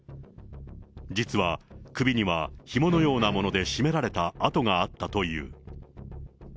実は首には、ひものようなもので絞められた痕があったという。